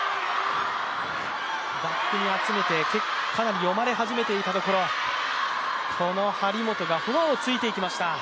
バックに集めて、かなり読まれ始めていたところ、この張本がフォアを突いていきました。